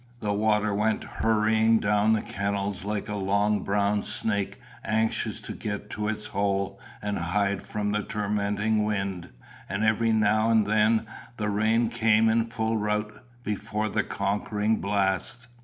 The water went hurrying down the kennels like a long brown snake anxious to get to its hole and hide from the tormenting wind, and every now and then the rain came in full rout before the conquering blast.